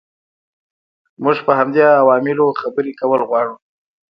موږ په همدې عواملو خبرې کول غواړو.